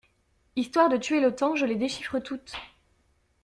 Histoire de tuer le temps, je les déchiffre toutes.